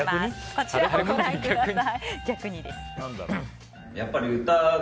こちらご覧ください。